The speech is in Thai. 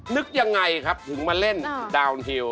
นึกอย่างไรครับถึงมาเล่นดาวน์ฮิลล์